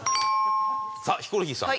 さあヒコロヒーさん。